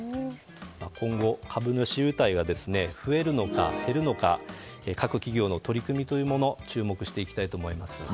今後、株主優待が増えるのか減るのか各企業の取り組みに注目していきたいと思います。